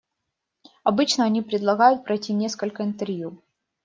Обычно они предлагают пройти несколько интервью.